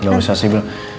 gak usah sibyl